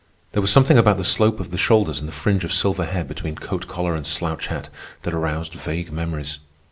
There was something about the slope of the shoulders and the fringe of silver hair between coat collar and slouch hat that aroused vague memories.